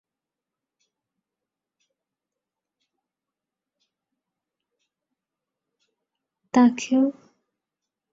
তাকেও অনতিবিলম্বে মুক্তি দেওয়া হয় এবং তিনিও ফুলতায় ইংরেজ বাহিনীতে যোগ দেন।